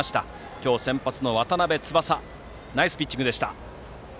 今日先発の渡邉翼ナイスピッチングでした。